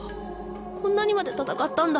こんなにまで戦ったんだ。